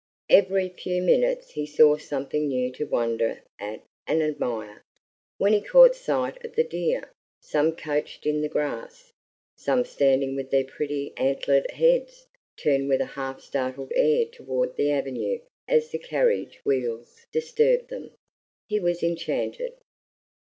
Every few minutes he saw something new to wonder at and admire. When he caught sight of the deer, some couched in the grass, some standing with their pretty antlered heads turned with a half startled air toward the avenue as the carriage wheels disturbed them, he was enchanted.